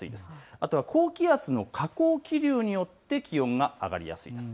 あとは高気圧の下降気流によって気温が上がりやすいです。